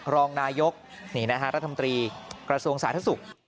รองนายกนี่นะฮะรัฐมนตรีกระทรวงสาธารณสุข